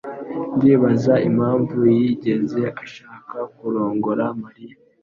Ndibaza impamvu yigeze ashaka kurongora Mariya.